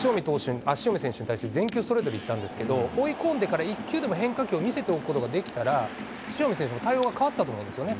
塩見選手に対して全球ストレートで行ったんですけど、追い込んでから、１球でも変化球を見せておくことができたら、塩見選手も対応が変わってたと思うんですよね。